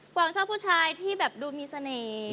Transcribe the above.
วางชอบผู้ชายที่แบบดูมีเสน่ห์